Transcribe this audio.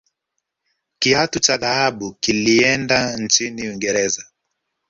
kiatu cha dhahabu kilienda nchini uingereza